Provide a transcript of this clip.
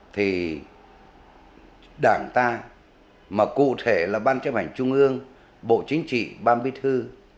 thì đảng ta mà cụ thể là ban chế bản trung ương bộ chính trị ban bí thư